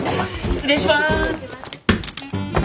失礼します。